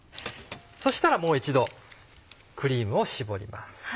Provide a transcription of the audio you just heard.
そしたらもう一度クリームを絞ります。